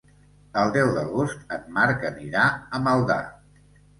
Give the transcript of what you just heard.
El deu d'agost en Marc anirà a Maldà.